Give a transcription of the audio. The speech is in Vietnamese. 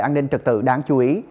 an ninh trật tự đáng chú ý